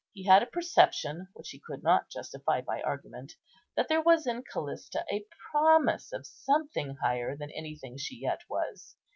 He had a perception, which he could not justify by argument, that there was in Callista a promise of something higher than anything she yet was.